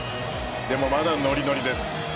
でも、まだノリノリです。